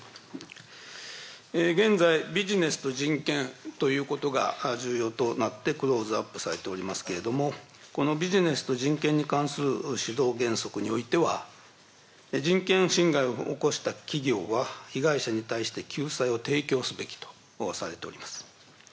現在、ビジネスと人権ということが重要となってクローズアップされておりますけれども、このビジネスと人権に関する指導原則においては人権侵害を起こした企業は被害者に対して救済を提供すべきとされております。